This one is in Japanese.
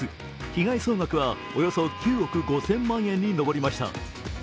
被害総額はおよそ９億５０００万円に上りました。